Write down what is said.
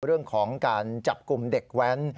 เรื่องของการจับกลุ่มเด็กแว้น